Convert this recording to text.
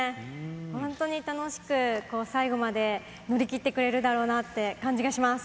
本当に楽しく、最後まで乗り切ってくれるだろうなっていう感じがします。